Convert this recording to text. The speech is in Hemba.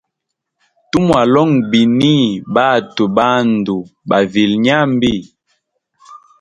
Tumwalonga bini batwe bandu bavilye nyambi.